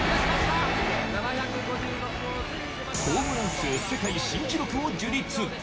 ホームラン数世界新記録を樹立。